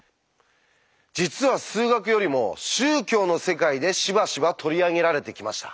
実は数学よりも宗教の世界でしばしば取り上げられてきました。